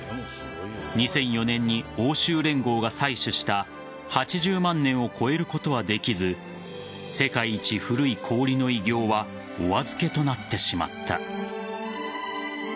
２００４年に欧州連合が採取した８０万年を超えることはできず世界一古い氷の偉業はお預けとなってしまった。